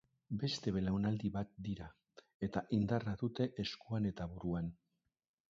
Beste belaunaldi bat dira, eta indarra dute eskuan eta buruan.